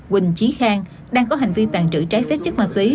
quỳnh trí khang đang có hành vi tàn trữ trái phép chất ma túy